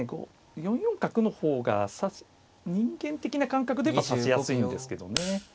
４四角の方が人間的な感覚では指しやすいんですけどね。